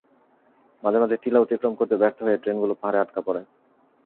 মাঝে মাঝে টিলা অতিক্রম করতে ব্যর্থ হয়ে ট্রেনগুলো পাহাড়ে আটকা পড়ে।